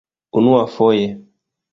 unuafoje